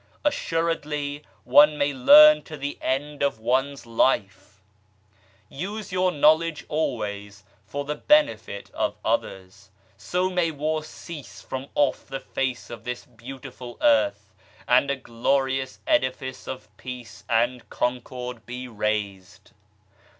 Assuredly one may learn to the end of one's life ! Use your knowledge always for the benefit of others ; so may war cease from off the face of this beautiful earth, and a glorious edifice of Peace and Concord be raised.